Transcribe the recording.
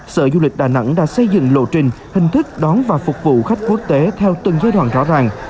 sở du lịch đà nẵng đã xây dựng lộ trình hình thức đón và phục vụ khách quốc tế theo từng giai đoạn rõ ràng